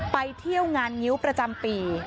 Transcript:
ไปเที่ยวงานงิ้วประจำปี